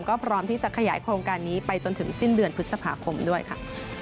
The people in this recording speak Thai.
ก็พร้อมที่จะขยายโครงการนี้ไปจนถึงสิ้นเดือนพฤษภาคมด้วยค่ะ